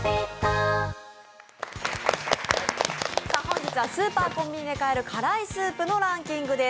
本日はスーパーコンビニで買える辛いスープランキングです。